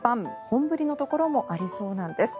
本降りのところもありそうなんです。